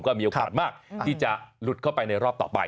ก็มีโอกาสมากที่จะหลุดเข้าไปในรอบต่อไป